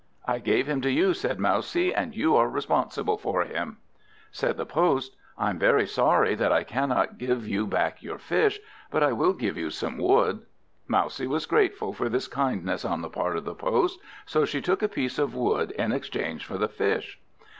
"I gave him to you," said Mousie, "and you are responsible for him." Said the Post, "I am very sorry that I cannot give you back your Fish, but I will give you some Wood." Mousie was grateful for this kindness on the part of the Post. So she took a piece of Wood in exchange for the Fish.